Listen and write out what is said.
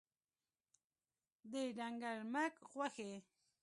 د ډنګر مږ غوښي